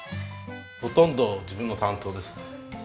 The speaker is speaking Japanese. ほとんど自分の担当ですね。